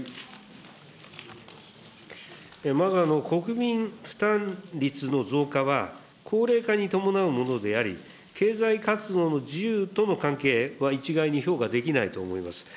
まず、国民負担率の増加は、高齢化に伴うものであり、経済活動の自由との関係は一概に評価できないと思います。